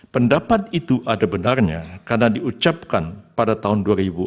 pendapat itu ada benarnya karena diucapkan pada tahun dua ribu empat